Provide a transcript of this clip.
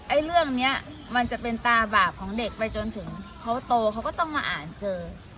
เรื่องนี้มันจะเป็นตาบาปของเด็กไปจนถึงเขาโตเขาก็ต้องมาอ่านเจอ